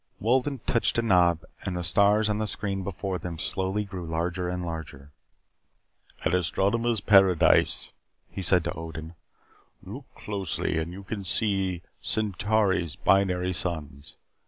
Wolden touched a knob and the stars on the screen before them slowly grew larger and larger. "An astronomer's paradise," he said to Odin. "Look closely and you can see Centauri's binary suns.